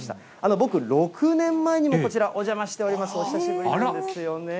僕、６年前にもこちら、お邪魔しております、久しぶりですよね。